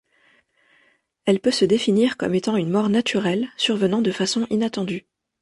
Elle peut se définir comme étant une mort naturelle survenant de façon inattendue.